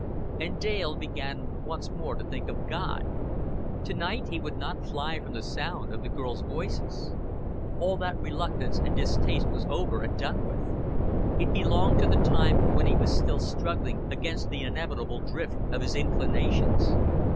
And Dale began once more to think of God. To night he would not fly from the sound of the girls' voices. All that reluctance and distaste was over and done with; it belonged to the time when he was still struggling against the inevitable drift of his inclinations.